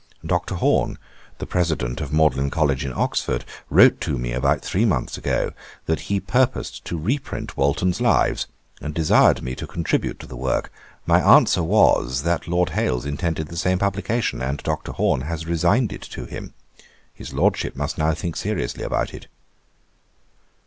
Dr. Horne, the President of Magdalen College in Oxford, wrote to me about three months ago, that he purposed to reprint Walton's Lives, and desired me to contribute to the work: my answer was, that Lord Hailes intended the same publication; and Dr. Home has resigned it to him. His Lordship must now think seriously about it.